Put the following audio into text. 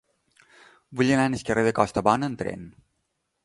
Vull anar al carrer de Costabona amb tren.